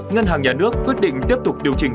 ngân hàng nhà nước quyết định tiếp tục điều chỉnh